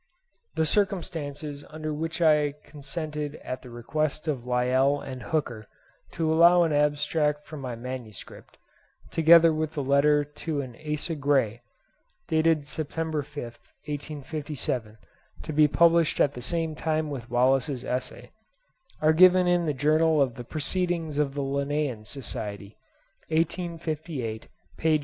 The circumstances under which I consented at the request of Lyell and Hooker to allow of an abstract from my MS., together with a letter to Asa Gray, dated September 5, 1857, to be published at the same time with Wallace's Essay, are given in the 'Journal of the Proceedings of the Linnean Society,' 1858, page 45.